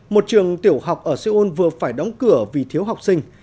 một trường tiểu học ở seoul vừa phải đóng cửa vì thiếu học sinh